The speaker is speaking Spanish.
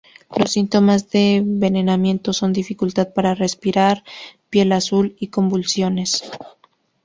Los síntomas de envenenamiento son dificultad para respirar, piel azul y convulsiones.